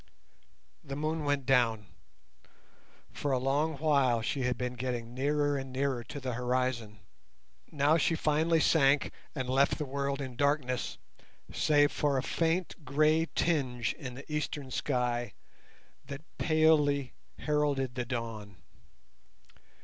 The moon went down. For a long while she had been getting nearer and nearer to the horizon. Now she finally sank and left the world in darkness save for a faint grey tinge in the eastern sky that palely heralded the dawn.